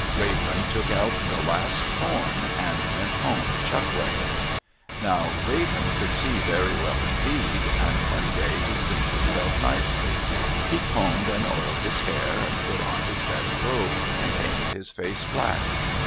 Raven took out the last thorn and went home chuckling. Now Raven could see very well indeed, and one day he cleaned himself nicely. He combed and oiled his hair, and put on his best robe, and painted his face black.